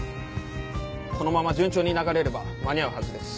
このまま順調に流れれば間に合うはずです。